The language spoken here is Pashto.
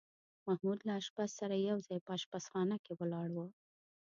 محمود له اشپز سره یو ځای په اشپزخانه کې ولاړ و.